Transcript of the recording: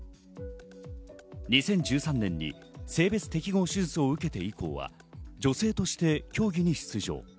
２０１３年に性別適合手術を受けて以降は女性として競技に出場。